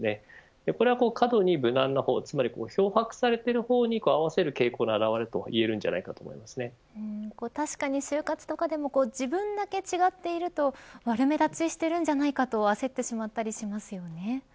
これは、過度に無難な方つまり漂白されている方に合わせる傾向の表れと確かに就活とかでも自分だけ違っていると悪目立ちしているんじゃないかと焦ってしまったりしますよね。